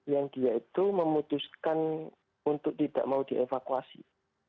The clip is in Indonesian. yang dia itu memutuskan untuk tidak mau dievakuasi